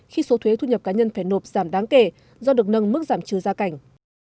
khi số thuế thu nhập cá nhân phải nộp giảm đáng kể do được nâng mức giảm trừ gia cảnh